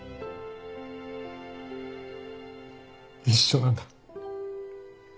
一緒なんだ。